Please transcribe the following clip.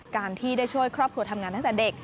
การที่ได้ช่วยครอบครัวทำงานตั้งแต่เด็ก